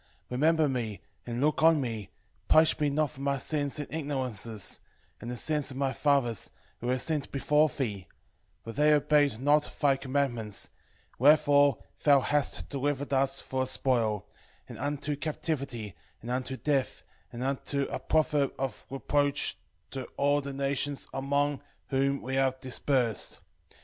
3:3 Remember me, and look on me, punish me not for my sins and ignorances, and the sins of my fathers, who have sinned before thee: 3:4 For they obeyed not thy commandments: wherefore thou hast delivered us for a spoil, and unto captivity, and unto death, and for a proverb of reproach to all the nations among whom we are dispersed.